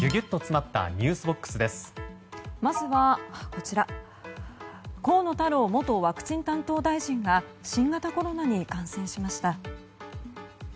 まずは河野太郎元ワクチン担当大臣が新型コロナに感染しました。